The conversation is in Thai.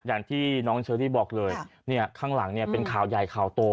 อย่างที่น้องเชอรี่บอกเลยข้างหลังเป็นข่าวยายข่าวโต